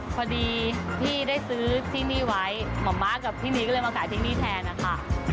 พอดีพี่ได้ซื้อที่นี่ไว้หม่อมม้ากับพี่มีก็เลยมาขายที่นี่แทนนะคะ